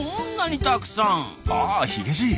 ああヒゲじい。